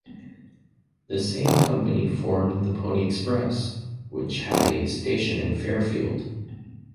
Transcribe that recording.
This same company formed the Pony Express, which had a station in Fairfield.